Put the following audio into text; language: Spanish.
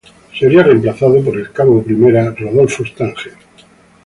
Sería reemplazado por el general Rodolfo Stange.